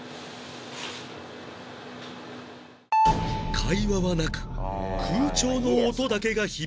会話はなく空調の音だけが響く室内